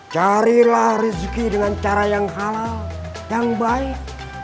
carilah rezeki dengan cara yang halal yang baik